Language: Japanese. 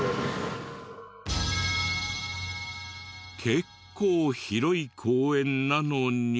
結構広い公園なのに。